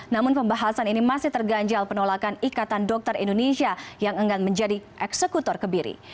namun pembahasan ini masih terganjal penolakan ikatan dokter indonesia yang enggan menjadi eksekutor kebiri